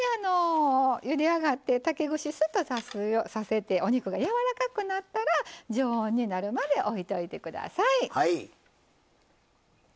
ゆで上がって竹串、スッと刺せてお肉がやわらかくなったら常温になるまで置いておいてください。